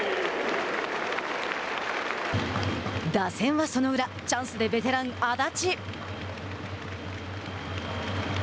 打線はその裏チャンスでベテラン安達。